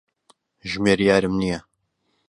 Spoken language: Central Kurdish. ژمێریارم نییە.